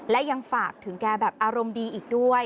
และยังฝากถึงแกแบบอารมณ์ดีอีกด้วย